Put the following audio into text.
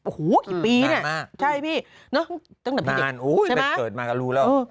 โอ้โหกี่ปีเนี่ยใช่พี่ตั้งแต่พี่เด็กใช่ไหมหูยแล้ว